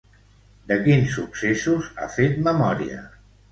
De quins successos ha fet memòria?